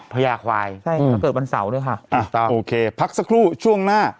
พญาควายใช่ค่ะแล้วเกิดวันเสาร์ด้วยค่ะอ่าโอเคพักสักครู่ช่วงหน้า